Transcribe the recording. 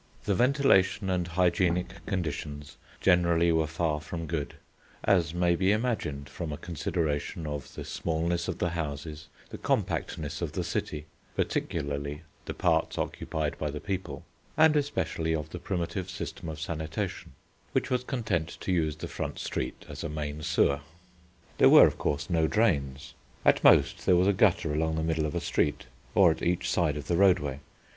The ventilation and hygienic conditions generally were far from good, as may be imagined from a consideration of the smallness of the houses, the compactness of the city, particularly the parts occupied by the people, and especially of the primitive system of sanitation, which was content to use the front street as a main sewer. There were, of course, no drains; at most there was a gutter along the middle of a street, or at each side of the roadway.